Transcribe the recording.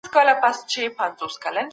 تاسو باید په خپلو زده کړو کي جدي اوسئ.